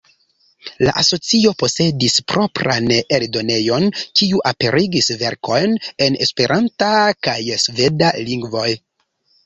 La asocio posedis propran eldonejon, kiu aperigis verkojn en Esperanta kaj sveda lingvoj.